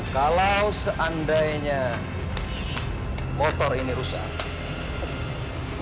kalau seandainya motor ini rusak